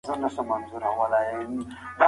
د مخطوبې د کورنۍ او دوستانو اړوند هم څه معلومات لرل